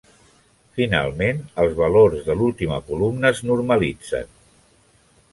Finalment, els valors de l'última columna es normalitzen.